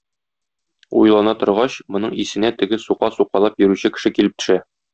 Уйлана торгач, моның исенә теге сука сукалап йөрүче кеше килеп төшә.